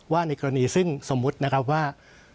ในกรณีซึ่งสมมุตินะครับว่า